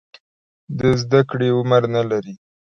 د زده کړې عمر نه لري.